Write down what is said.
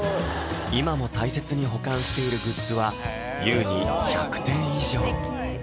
今も大切に保管しているグッズは優に１００点以上！